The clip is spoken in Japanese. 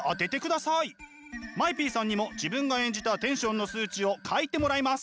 ＭＡＥＰさんにも自分が演じたテンションの数値を書いてもらいます。